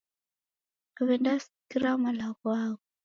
Wendasikira malagho agho